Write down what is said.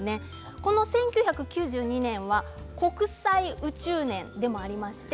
この１９９２年は国際宇宙年でもあります。